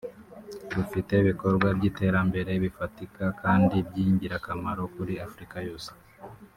rufite ibikorwa by’iterambere bifatika kandi by’ingirakamaro kuri Afurika yose